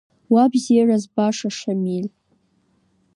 Уа, бзиара збаша, Шамил!